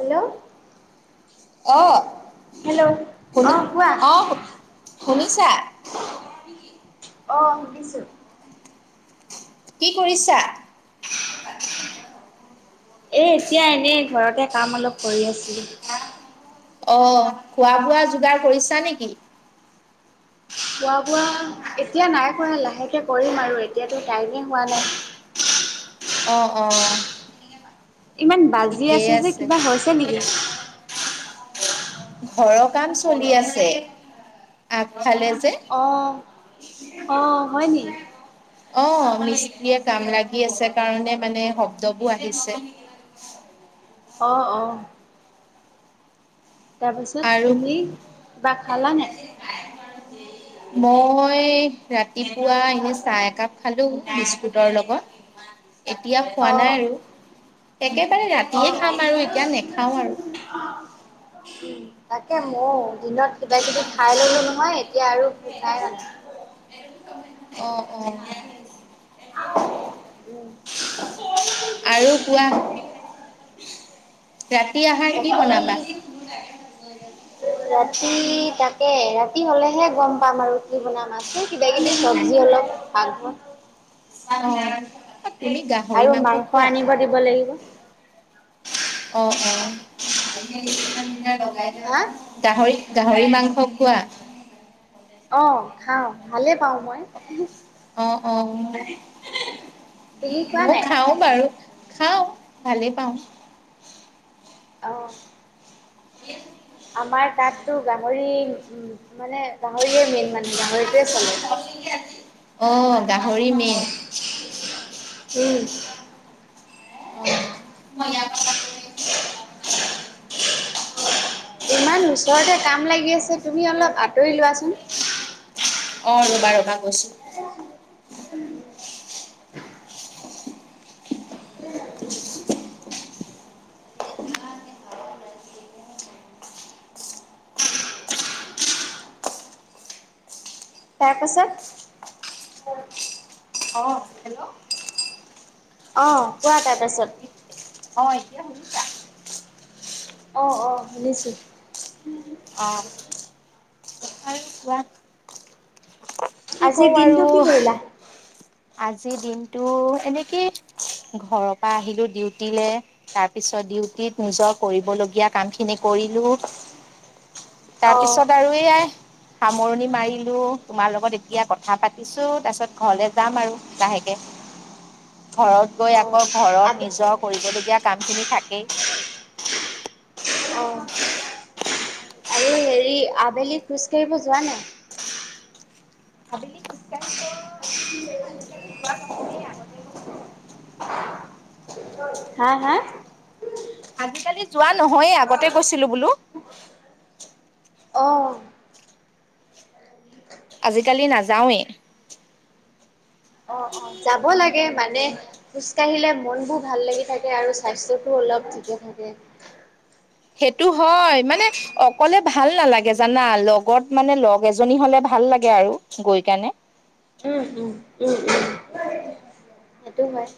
Hello. অহ hello শুনি অঁ কোৱা। আহ অহ শুনিছা আ আ, অ শুনিছো। কি কৰিছা? ঠু ও ও ঠু ও ও, এ এতিয়া এনে ঘৰতে কাম অলপ কৰি আছিলো। অ অ, খোৱা-বোৱাৰ যোগাৰ কৰিছা নেকি? খোৱা-বোৱা এতিয়া নাই কৰা লাহেকে কৰিম আৰু এতিয়াতো টাইমে হোৱা নাই। অঁ অ অ অ অ। ইমান বাজি আছে যে কিবা হৈছে নেকি? ঘৰৰ কাম চলি আছে। আগফালে যে অ অ অ অ, অঁ অ হয় নি। অঁ অ মিস্ত্ৰীয়ে কাম লাগি আছে কাৰণে মানে শব্দবোৰ আহিছে। অঁ অ অ অ অ। তাৰপিছত তুমি কিবা খালা নে? দাইল-ভাত উম উ। মই ৰাতিপুৱা এনে চাহ একাপ খালো বিস্কুটৰ লগত। মা। এতিয়া খোৱা অঁ নাই আৰু একেবাৰে ৰাতিয়ে খাম আৰু এতিয়া নাখাওঁ আৰু। উম তাকে মইও দিনত। কিবা কিবি খাই ল'লোঁ নহয়, এতিয়া আৰু ভোক নাই। অ', অ'। [unintelligible] আৰু কোৱা। ৰাতি আহাৰ কি বাকী বনাবা? ৰাতি তাকে, ৰাতি হ'লেহে গম পাম আৰু কি বনাম আছে কিবা কিবি চব্জি অলপ। [inaudible] আহ, তুমি গাহৰি মাংস খোৱা? [unintelligible] লাগিব। অ' অ' [unintelligible] দিনা লগাই। হা গাহৰি, গাহৰি মাংস খোৱা? অ', খাওঁ ভালে পাওঁ মই। অ', অ', তুমি খোৱা মইও নাই? খাওঁ। বাৰু, খাওঁ ভালেই পাওঁ। অ'। [inaudible] আমাৰ তাততো গাহৰি মানে, গাহৰিয়ে মেইন মানে গাহৰিটোৱে চলে। অ'। গাহৰি মেইন। উম। অ' [unintelligible] ইমান ওচৰতে কাম লাগি আছে তুমি অলপ আঁতৰি লোৱাচোন। অ', ৰবা ৰবা গৈছো। তাৰপাছত? অ', হেল্ল' অ', কোৱা তাৰপাছত। অ', এতিয়া শুনিছা? অ', অ' শুনিছোঁ। অ'। আৰু কোৱা কি আজিৰ কওঁ আৰু, দিনটো কি কৰিলা? আজিৰ দিনটো এনেকে ঘৰৰ পৰা আহিলো ডিউটিলে তাৰপিছত ডিউটিত নিজৰ কৰিবলগীয়া কাম খিনি কৰিলো। অঁ তাৰপিছত আৰু এয়াই, সামৰণি মাৰিলো তোমাৰ লগত এ তিয়া কথা পাতিছো, তাৰপিছত ঘৰলে যাম আৰু লাহেকে। ঘৰত গৈ আকৌ ঘৰত অঁ নিজৰ কৰিবলগীয়া কাম খিনি থাকেই। অ', আৰু হেৰি আবেলি খোজ কাঢ়িব যোৱা নাই? আবেলি খোজ কাঢ়িব, আজিকালি জোৱা নহয়েই আগতে [unintelligible] হা হা? ালি যোৱা নহয়েই আগতে গৈছিলো বোলো। অ'। আজিকালি নাযাওঁৱেই। অ', অ', যাব লাগে মানে খোজ কাঢ়িলে মন বোৰ ভাল লাগি থাকে আৰু স্বাস্থ্যতোও অলপ ঠিকে থাকে। সেইটো হ'য়, মানে অকলে ভাল নালাগে জানা, লগত মানে লগ এজনী হ'লে ভাল লাগে আৰু। গৈ কানে- উম উম উম উম। সেইটো হয়।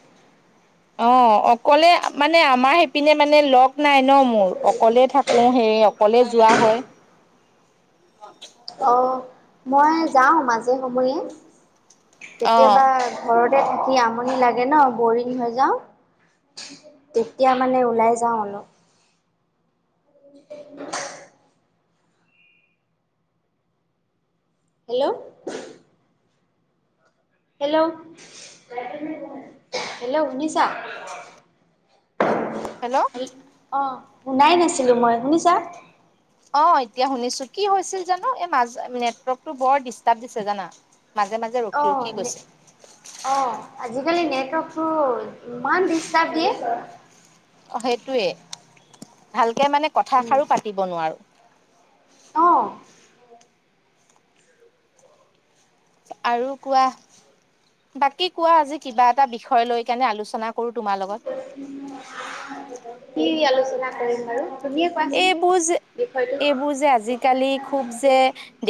অঁ' অকলেই মানে আমাৰ সেইপিনে মানে লগ নাই ন মোৰ অকলে থাক- কো হেই অকলে যোৱা হয়। অঁ' মই যাওঁ মাজে সময়ে, অ কেতিয়াবা- ঘৰতে থাকি আমনি লাগে ন বৰিং হৈ যাওঁ। তেতিয়া মানে ওলাই যাওঁ অলপ। হেল্লৌ'। হেল্লৌ' হেল্লৌ' শুনিছা? হেল্লৌ' অঁ' শুনাই নাছিলো মই, শুনিছা? অঁ' এতিয়া শুনিছো কি হৈছিল জানো এই মাজ নেটৱৰ্কতটো বৰ ডিষ্টাৰ্ব দিছে জানা। মাজে মাজে। ৰখি ৰখি অঁ' নে- গৈছে অঁ' আজিকালি নেটৱৰ্কটো ইমান ডিষ্টাৰ্ব দিয়ে। অ সেইটোৱে ভালকে মানে কথা উম, এষাৰো পাতিব নোৱাৰো। অঁ' আৰু কোৱা। বাকী কোৱা আজি কিবা এটা বিষয় লৈ কেনে আলোচনা কৰো তোমাৰ লগত। কি আলোচনা কৰিম বাৰু? তুমিয়ে কোৱাচোন? এইবোৰ যে বিষয়টো অ', এইবোৰ যে আজিকালি খুব যে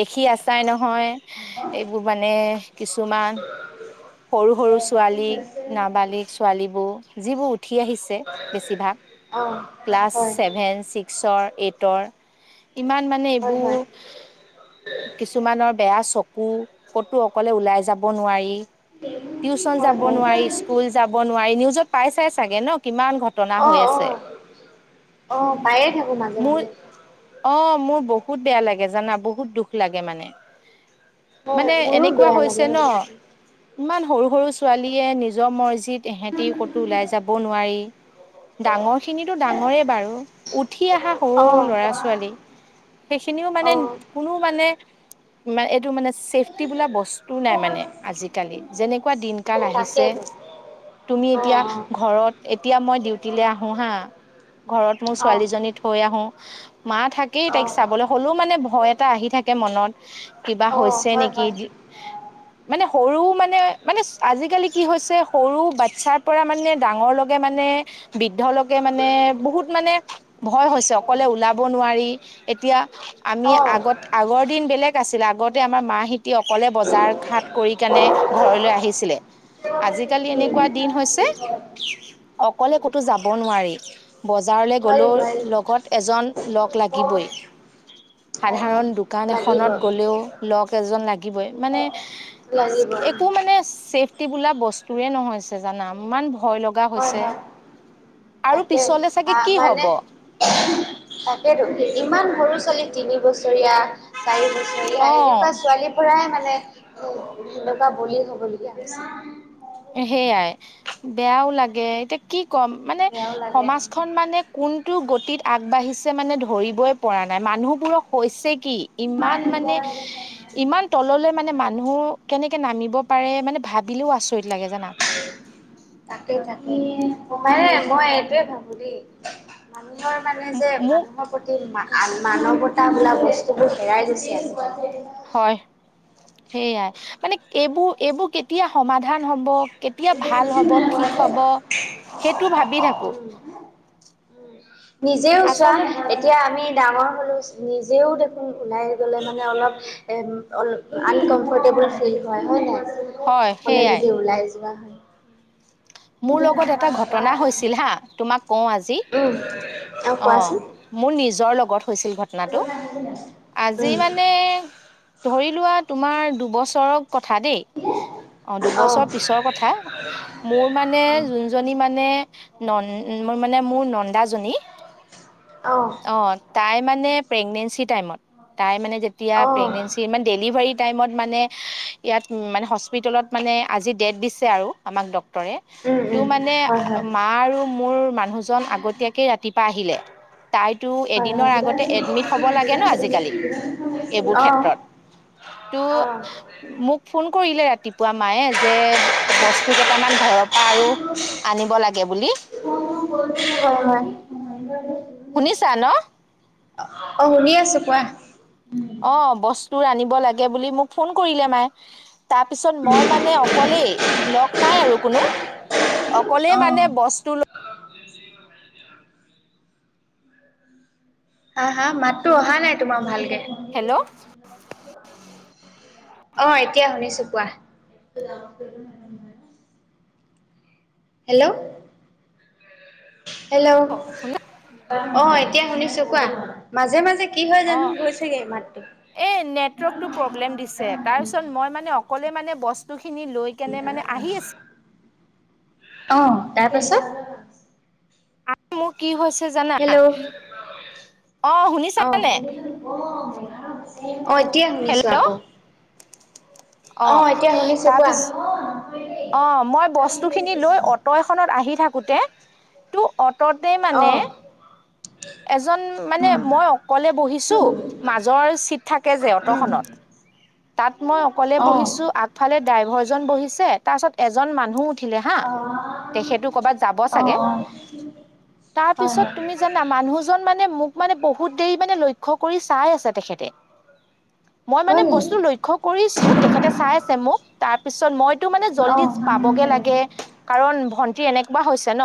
দেখি আছাই নহয়। এইবোৰ মানে কিছুমান- সৰু সৰু ছোৱালী নাবালিক- ছোৱালীবোৰ যিবোৰ উঠি আহিছে বেছিভাগ ক্লাছ হয়, ছেভেন, ছিক্স- চৰ, এইটৰ ইমান মানে হয়, হয়, এইবো- কিছুমানৰ বেয়া চকু ক'তো অকলে ওলাই যাব নোৱাৰি। টিউচন হয়, যাব হয়। নোৱাৰি, স্কুল যাব নোৱাৰি, নিউজত পাই চাই চাগে ন কিমান ঘট- ঘটনা অ', হৈ আছে। অ', অ' পায়ে থাকো মাজে মাজে। অঁ' মোৰ বহুত বেয়া লাগে জানা বহুত দুখ লাগে মানে। হয়, মানে মোৰো এনেকুৱা বেয়া লাগে হৈছে ন, সেইবোৰ দেখি। ইমান সৰু সৰু ছোৱালীয়ে নিজৰ মৰজিত- তেহেঁতি ক'তো ওলাই যাবও নোৱাৰি। ডাঙৰ খিনিতো ডাঙৰে বাৰু উঠি আহা সৰু অ', ল'ৰা ছোৱালী- সেইখিনিও মানে অ', কোনো মানে মানে এইটো মানে- ছেফটি বোলা বস্তু নাই মানে আজিকালি, যেনেকুৱা দিন কাল আহিছে। তাকেইতো তুমি এতিয়া অ', ঘৰত, এতিয়া মই ডিউটিলে আহো হাঁ- ঘৰত মোৰ অ', অ'। অ', ছোৱালীজনী থৈ আহোঁ। মাঁ থাকেই তাইক চাবলে হ'লো মানে ভয় এটা আহি থাকে মনত কিবা- অ', হৈছে হয়, নেকি। হয়, মানে সৰু মানে মানে আজিকালি কি হৈছে সৰু বাতচ্ছাৰ পৰা মানে ডাঙৰ লক- মানে বৃদ্ধ লকে মানে বহুত- মানে ভয় হৈছে অকলে ওলাব নোৱাৰি, এতিয়া আমি আগত- আগৰ দিন বেলেগ আছিলে, আগতে আমাৰ মাহেঁতি অকলে বজাৰ খাট কৰি- কেণে ঘৰলৈ আহিছিলে। আজিকালি এনেকুৱা দিন হৈছে, অ'। অকলে ক'তো যাব নোৱাৰি। বজাৰলে গলো নোৱাৰি নোৱাৰি লগত এজন লগ লাগিবই। হয় হয় সাধাৰণ দোকান লাগিব। এখনত গলেও লগ এজন লাগিবই মানে, লাগিব একো মানে চেফ টি বোলা বস্তুে নহয়ছে জানা ইমান ভয় ল গা হয় হৈছে হয় আৰু তাকে পিছলে চাগে আহ কি মানে হব। তাকেতো ইমান সৰু ছোৱালী তিনি বছ ছৰীয়া চাৰি বছৰীয়া অ' এনেকুৱা ছোৱালী পুৰাই মানে সেনেকুৱা বলি হবলগীয়া হৈছে। সেয়াই বেয়ায়ো লাগে, এতিয়া কি ক'ম মানে বেয়াও লাগে সমাজখন মানে কোনটো গতিত আগবাঢ়িছে মানে ধৰিবই পৰা নাই মানুহবোৰক হৈছে কি? ইমান মানে ইমান তললৈ মানে মানুহ কেনেকে নামিব পাৰে, মানে ভাবিলেও আচৰিত লাগে জানা। তাকে তাকে কমাইে মই এইটোৱে ভাবো দেই। মানুহৰ মানে যে মোক মানুহক প্ৰতি মানৱতা বোলা বস্তুবোৰ হেৰাই গৈছে আৰু। হয় সেইয়াই, মানে এইবোৰ এইবোৰ কেতিয়া সমাধান হ'ব। কেতিয়া ভাল হ'ব ঠিক হ'ব সেইটো ভাবি থাকোঁ। নিজেও চোৱা আচলত নহয়। এতিয়া আমি ডাঙৰ হ'লো, নিজেও দেখোন ওলাই গ'লে মানে অলপ এ অ আনকমফৰ্টেবল ফিল হয়, হয় হয় নাই। অকলে সেইয়াই যদি ওলাই যোৱা হয়। মোৰ লগত এটা ঘটনা হৈছিল হা, তোমাক কওঁ আজি উম আৰু অঁ। কোৱাচোন মোৰ নিজৰ লগত হৈছিল ঘটনাটো, আজি উম মানে ধৰি লোৱা তোমাৰ দুবছৰৰ কথা দেই, অঁ দুবছৰ পিছৰ কথা। মোৰ মানে যোনজনী মানে নন মোৰ মানে নন্দাজনী অঁ। অঁ, তাই মানে প্ৰেগনেনচি টাইম তাই মানে যেতিয়া উম প্ৰেগনেনচি মান ডেলীভাৰী টাইমত মানে ইয়াত মানে হস্পিটেলত মানে আজি ডেট দিছে আৰু, আমাক ড ক্টৰে উম তু মানে হয় হয় মা আৰু মোৰ মানুহজন আগতীয়াকে ৰাতিপা আহিলে। তাইতো হয় এদিনৰ হয় আগতে এডমিট হ'ব লাগে ন' আজিকালি, এইবোৰ অঁ ক্ষেত্ৰত। ত' অঁ। মোক ফোন কৰিলে ৰাতিপুৱা মায়ে যে বস্তু কেই কেইটামান ঘৰৰ পৰা আৰু আনিব লাগে বুলি। [inaudible] শুনিছা ন? অঁ শুনি আছোঁ কোৱা। অঁ বস্তু আনিব লাগে বুলি মোক ফোন কৰিলে মায়ে। তাৰপিছত মই মানে অকলেই লগ নাই আৰু কোনো। অকলেই মানে অঁ বস্তু ল হা হা মাতো অহা নাই তোমাৰ ভালকে। হেল্ল অঁ, এতিয়া শুনিছোঁ কোৱা। Hello, hello. অঁ এতিয়া শুনিছোঁ কোৱা। মাজে মাজে কি হয় জানো, অ' গৈ থাকে মাতটো। এই নেটৱৰ্কটো প্ৰব্লেম দিছে। তাৰপিছত মই মানে অকলে মানে বস্তুখিনি লৈ কেনে মানে আহি আছে অ, তাৰ পাছত মোৰ কি হৈছে জানা? হেল্ল' অ অ'। শুনিছানে? অ এতিয়া শুনিছোঁ হেল্ল' আকৌ। [inaudible] অ এতিয়া শুনিছো কোৱা। তাৰপিছ, অ মই বস্তুখিনি লৈ অট অট এখনত আহি থাকোঁতে, তো অটতে মানে অ' এজন মানে, উম মই অকলে বহিছোঁ। মাজৰ চিট থাকে যে উম অটোখনত, তাত মই অক লে অ'। বহিছো, আগফালে ড্ৰাইভাৰজন বহিছে, তাৰ পাছত এজন মানুহ উঠিলে হা! অ' তেখেতো ক'ৰবাত যাব অ' অ' চাগে। হয় হয় তাৰপিছত তুমি জানা, মানুহজন মানে মোক মানে বহুত দেৰি মানে লক্ষ্য কৰি চাই আছে তেখেতে। মই মানে হয় নি বস্তু লক্ষ্য কৰি ছো, তেখেতে চাই আছে মোক। তাৰ পিছত মইতো মানে জল্দি পাবগে অ' লাগে। কাৰণ ভন্টিৰ এনেকুৱা হৈছে ন।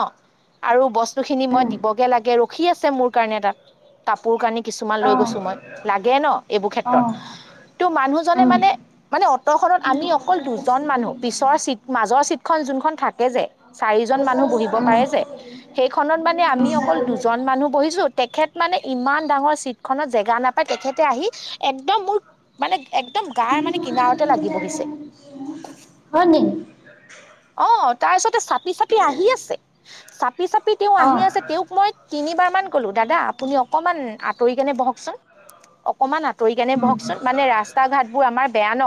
আৰু বস্তুখিনি মই উম। দিবগে লাগে, ৰখি আছে মোৰ কাৰণে তাত। কাপোৰ-কানি কিছুমান লৈ গৈছোঁ মই। অ', লাগে ন এইবোৰ অ', উম। ক্ষেত্ৰত। ত' মানুহজনে উম, উম। মানে মানে অটোখনত আমি অকল দুজন মানুহ। পিছৰ চিট মাজৰ চিটখন যোনখন থাকে যে। চাৰিজন মানুহ বহিব পাৰে যে। সেইখনত মানে আমি অকল দুজন উম। মানুহ বহিছো। তেখেত মানে ইমান ডাঙৰ চিট খনত জেগা নাপায় তেখেতে আহি, একদম মোৰ, মানে একদম গাত কিনাৰতে লাগি বহিছে। হয়নি! অ, তাৰপিছতে চাপি-চাপি আহি আছে। চাপি-চাপি তেওঁ আহি অ', আছে, তেওঁক মই তিনিবাৰমান ক'লো, দাদা আপুনি অকণমান আঁতৰি কেনে বহকচোন। অকমান আঁতৰি কেনে উম, বহকচোন। মানে ৰাস্তা-ঘাটবোৰ আমাৰ বেয়া ন।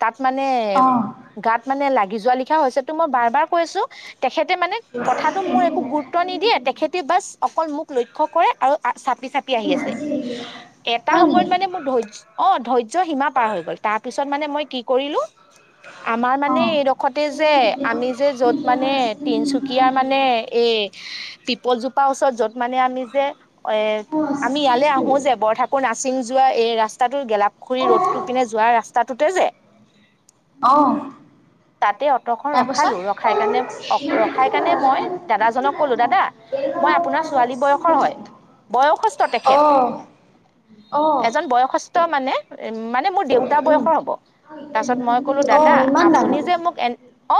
তাত মানে, অ', গাত মানে লাগি যোৱা লিখা হৈছে তো মই বাৰ বাৰ কৈছোঁ। তেখেতে মানে কথাটো মোৰ একো গুৰুত্ব নিদিয়ে। তেখেতে বাচ্ অকল মোক লক্ষ্য কৰে আৰু চাপি চাপি আহি আছে। এটা হয় নি? সময়ত মানে মোৰ ধৈৰ্য অ ধৈৰ্য্য সীমা পাৰ হৈ গ'ল। তাৰ পিছত মানে মই কি কৰিলোঁ, আমাৰ মানে অ', এইডোখৰ তাতে যে আমি যে য'ত মানে তিনিচুকীয়া মানে এই পিপলজোপাৰ ওচৰত য'ত মানে আমি যে, এ আমি ইয়ালে আহো যে বৰঠ ঠাকুৰ নাচিং যোৱা এই ৰাস্তাটোৰ গেলাপুখুৰী ৰোদটোপিনে যোৱা ৰাস্তাটোতে যে। অ। তাতে অটোখন তাৰপাছত? ৰখালো। ৰখাই কিণে অ ৰখাইকিণে মই দাদাজনক ক'লো, দাদা মই আপোনাৰ ছোৱালী বয়সৰ হয়। বয়সস্থ তেখেত। অ', অ', এজন বয়সস্ স্থ মানে উম মানে মোৰ দেউতা উম। বয়সৰ হ'ব। তাৰপাছত মই ক'লো দাদা, অ', ইমান আপুনি ডাঙৰ? যে মোক এ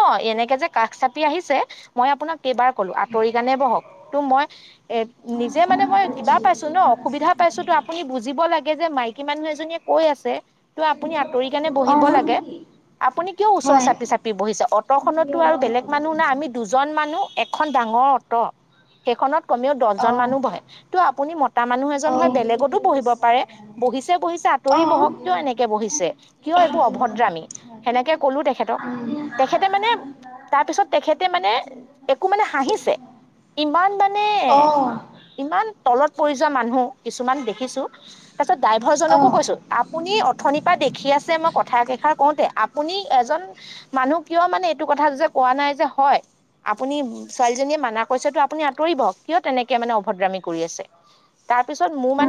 অ, এনেকে যে কাষ চাপি আহিছে, মই আপোনাক কেইবাৰ ক'লো আঁতৰি কেণে বহক। তো মই এ নিজে মানে মই কিবা পাইছো ন, অসুবিধা পাইছোঁ তো আপুনি বুজিব লাগে। গে যে মাইকী মানুহ এজনীয়ে কৈ আছে। ত' আপুনি আঁতৰি কেনে বহিব অ', লাগে। আপুনি কিয় ওচৰ হয়, চাপি চাপি বহিছে? অটোখনতো আৰু বেলেগ মানুহ নাই, আমি দুজন মানুহ এখন ডাঙৰ অটো--' সেইখনত কমেও অ', দহজন অ'। মানুহ বহে। ত' আপুনি মতা মানুহ এজন হয় বেলেগতো বহিব পাৰে। বহিছে বহিছে আঁতৰি অ'। বহক। কিয় এনেকে বহিছে? কিয় এইবোৰ অভদ্ৰামী? হয়। সেনেকে ক'লো তেখেতক। তেখেতে মানে তাৰপিছত তেখেতে মানে একো মানে হাঁহিছে [unintelligible] ইমান মানে অ', ইমান তলত পৰি যোৱা মানুহ কিছুমান দেখিছোঁ তাৰপিছত ড্ৰাইভাৰজনকো অ'। কৈছোঁ আপুনি অথনিৰ পৰা দেখি আছে মই কথা কেষাৰ কওঁতে আপুনি এজন মানুহ কিয় মানে এইটো কথা যে কোৱা নাই যে হয়। আপুনি ছোৱালীজনীয়ে মানা কৰিছেতো আপুনি আঁতৰিব কিয় তেনেকে মানে অভদ্ৰামী কৰি আছে। তাৰপিছত মোৰ মানে